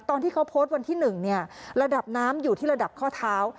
ตอนที่เขาโพสต์วันที่๑เนี่ยระดับน้ำอยู่ที่ระดับข้อเท้า